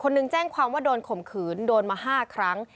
หนึ่งแจ้งความว่าโดนข่มขืนโดนมา๕ครั้ง